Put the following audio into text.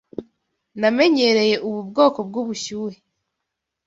Namenyereye ubu bwoko bwubushyuhe.